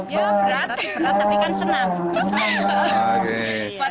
ya berat berat tapi kan senang